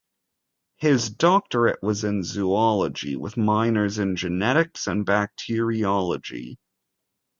His doctorate was in zoology, with minors in genetics and bacteriology.